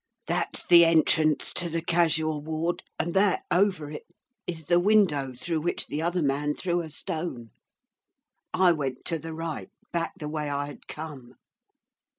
'That's the entrance to the casual ward, and that, over it, is the window through which the other man threw a stone. I went to the right, back the way I had come.